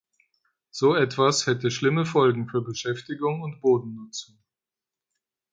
So etwas hätte schlimme Folgen für Beschäftigung und Bodennutzung.